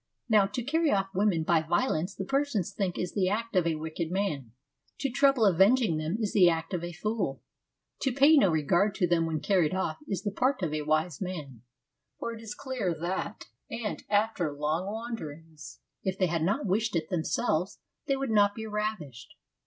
Now to carry off women by violence the Persians think is the act of a wicked man ; to trouble about avenging them is the act of a fool ; to pay no regard to them when carried off is the part of a wise man ; for it is clear that, if they had not wished it themselves, they would not be ravished.